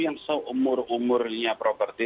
yang seumur umurnya properti